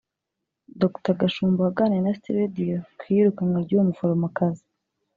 Dr Gashumba waganiriya na City Radio ku iyirukanwa ry’uwo muforomokazi